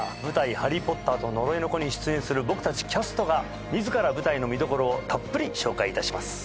「ハリー・ポッターと呪いの子」に出演する僕達キャストが自ら舞台の見どころをたっぷり紹介いたします